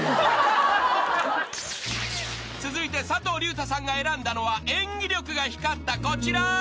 ［続いて佐藤隆太さんが選んだのは演技力が光ったこちら］